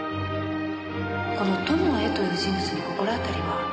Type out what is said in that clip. この「友へ」という人物に心当たりは？